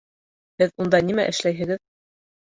Һеҙ унда нимә эшләйһегеҙ?